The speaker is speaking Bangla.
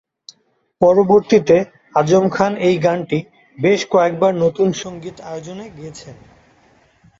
পরবর্তীতে আজম খান এই গানটি বেশ কয়েকবার নতুন সংগীত আয়োজনে গেয়েছেন।